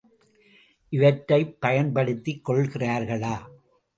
இவற்றைப் பயன்படுத்திக் கொள்கிறார்களா?